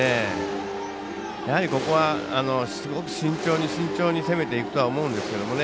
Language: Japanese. ここは、すごく慎重に攻めていくとは思うんですけどね。